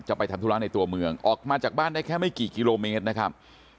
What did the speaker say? ไปทำธุระในตัวเมืองออกมาจากบ้านได้แค่ไม่กี่กิโลเมตรนะครับ